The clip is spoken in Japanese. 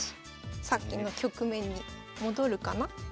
さっきの局面に戻るかな？